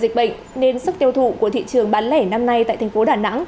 dịch bệnh nên sức tiêu thụ của thị trường bán lẻ năm nay tại thành phố đà nẵng